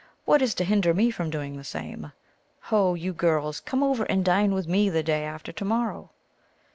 What is to hinder me from doing the same ? Ho, you girls ! come over arid dine with me the day after to morrow